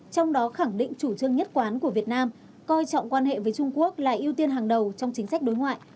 trong đó khẳng định chủ trương nhất quán của việt nam coi trọng quan hệ với trung quốc là ưu tiên hàng đầu trong chính sách đối ngoại